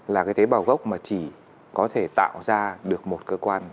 là cái tế bào gốc mà chỉ có thể tạo ra được một cơ quan